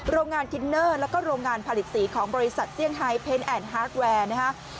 โรงงานทินเนอร์แล้วก็โรงงานผลิตสีของบริษัทเซี่ยงไฮเพนแอนดฮาร์กแวร์นะฮะ